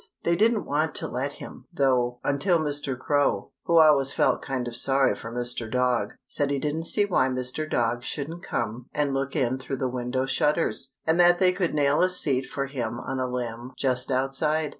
They didn't want to let him, though, until Mr. Crow, who always felt kind of sorry for Mr. Dog, said he didn't see why Mr. Dog shouldn't come and look in through the window shutters, and that they could nail a seat for him on a limb just outside.